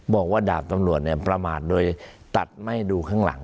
บอกว่าดาบตำรวจเนี่ยประมาทโดยตัดไม่ดูข้างหลัง